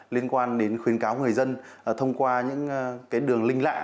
liên quan đến khuyến cáo người dân thông qua những cái đường linh lạ